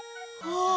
ああ！